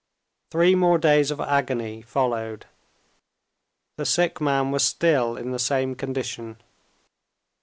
Three more days of agony followed; the sick man was still in the same condition.